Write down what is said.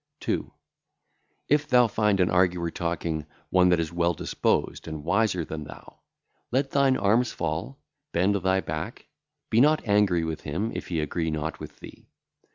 2. If thou find an arguer talking, one that is well disposed and wiser than thou, let thine arms fall, bend thy back, be not angry with him if he agree (?) not with thee.